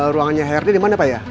ruangannya herni dimana pak ya